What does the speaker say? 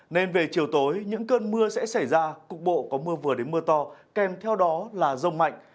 nên về chiều tối những cơn mưa sẽ xảy ra cục bộ có mưa vừa đến mưa to kèm theo đó là rông mạnh